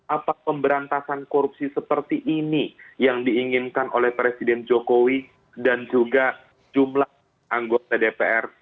apa pemberantasan korupsi seperti ini yang diinginkan oleh presiden jokowi dan juga jumlah anggota dpr